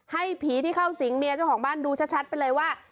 ให้ผีที่เข้าสิงเมียเจ้าของบ้านดูชัดไปเลยว่า